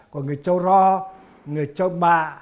của người châu ro người châu bạ